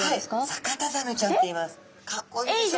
サカタザメちゃんっていいます。